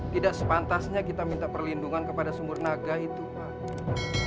tidak sepantasnya kita minta perlindungan kepada sumunaga itu pak